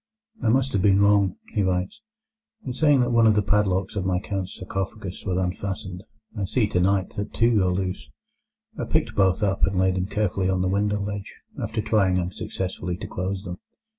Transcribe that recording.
"I must have been wrong," he writes, "in saying that one of the padlocks of my Count's sarcophagus was unfastened; I see tonight that two are loose. I picked both up, and laid them carefully on the window ledge, after trying unsuccessfully to close them.